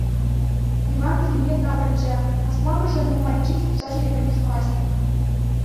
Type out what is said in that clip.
Иван килне таврӑнчӗ: асламӑшӗ нумайччен чупса ҫӳреме хушмасть.